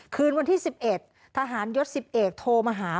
คืนวันที่๑๑มกราคมทหารยศ๑๐เอกโทรมาหา